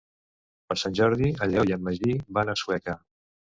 Per Sant Jordi en Lleó i en Magí van a Sueca.